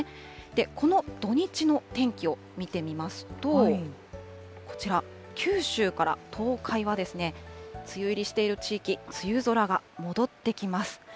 この土日の天気を見てみますと、こちら、九州から東海は、梅雨入りしている地域、梅雨空が戻ってきます。